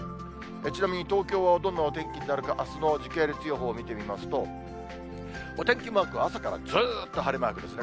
ちなみに東京はどんなお天気になるか、あすの時系列予報見てみますと、お天気マーク、朝からずーっと晴れマークですね。